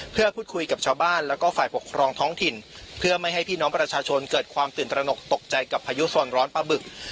เพื่อพูดคุยกับชาวบ้านแล้วก็ฝ่ายปกครองท้องถิ่นเพื่อไม่ให้พี่น้องประชาชนเกิดความตื่นตระหนกตกใจกับพายุส่วนร้อนปลาบึก